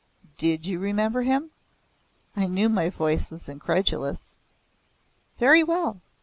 "Did you remember him?" I knew my voice was incredulous. "Very well.